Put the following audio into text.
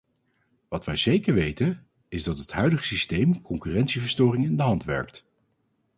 Wat wij zeker weten, is dat het huidige systeem concurrentieverstoring in de hand werkt.